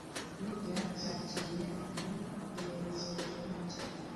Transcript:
Lidiya yakiriye ukuri anezerewe cyane.